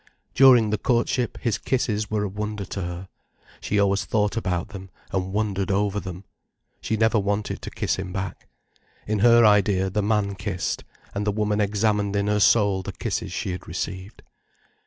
During the courtship, his kisses were a wonder to her. She always thought about them, and wondered over them. She never wanted to kiss him back. In her idea, the man kissed, and the woman examined in her soul the kisses she had received.